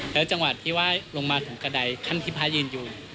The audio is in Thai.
แล้วจังหวะที่ว่าลงมาถึงกระดายขั้นที่พระยืนอยู่